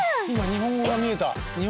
日本語が見えた！